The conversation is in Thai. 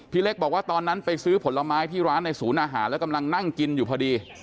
เล็กบอกว่าตอนนั้นไปซื้อผลไม้ที่ร้านในศูนย์อาหารแล้วกำลังนั่งกินอยู่พอดี